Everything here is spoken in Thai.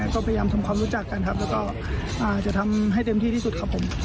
ก็พยายามทำความรู้จักกันครับแล้วก็จะทำให้เต็มที่ที่สุดครับผม